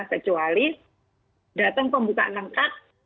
kecuali datang pembukaan lengkap